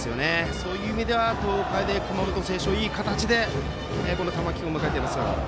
そういう意味では東海大熊本星翔はいい形で玉木君を迎えていますよ。